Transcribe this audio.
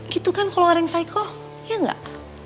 gitu kan kalau orang yang psikoh ya nggak